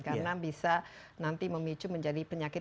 karena bisa nanti memicu menjadi penyakit